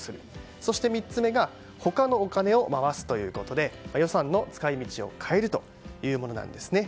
そして３つ目が他のお金を回すということで予算の使い道を変えるというものです。